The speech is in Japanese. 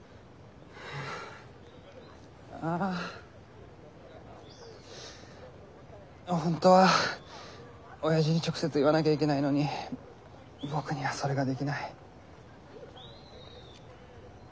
ああ本当はおやじに直接言わなきゃいけないのに僕にはそれができない。